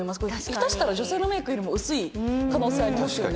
下手したら女性のメイクよりも薄い可能性ありますよね。